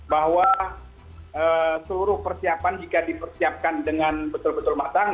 bahwa seluruh persiapan jika dipersiapkan dengan betul betul matang